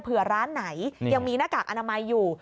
ร้านไหนยังมีหน้ากากอนามัยอยู่